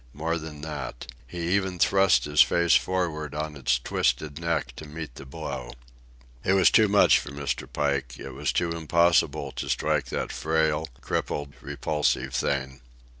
More than that. He even thrust his face forward on its twisted neck to meet the blow. It was too much for Mr. Pike; it was too impossible to strike that frail, crippled, repulsive thing.